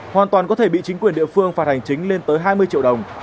hoàn toàn có thể bị chính quyền địa phương phạt hành chính lên tới hai mươi triệu đồng